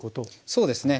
そうですね。